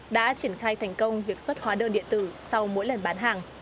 đã triển khai thành công việc xuất hóa đơn điện tử sau mỗi lần bán hàng